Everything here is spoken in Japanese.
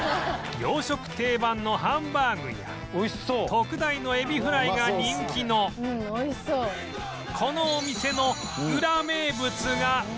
洋食定番のハンバーグや特大のエビフライが人気のこのお店のウラ名物が